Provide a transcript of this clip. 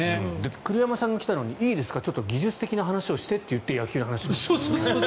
栗山さんが来たのにいいですか、技術的な話をしてと言って野球の話をする。